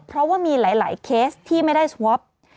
เพราะว่ามีหลายเคสที่ไม่ได้สวอป